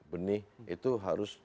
benih itu harus